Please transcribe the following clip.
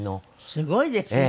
すごいですね。